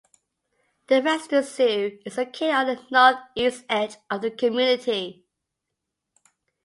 The Reston Zoo is located on the northeast edge of the community.